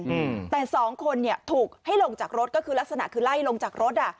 อืมแต่สองคนเนี้ยถูกให้ลงจากรถก็คือลักษณะคือไล่ลงจากรถอ่ะ